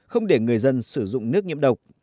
không để người dân sử dụng nước nhiễm độc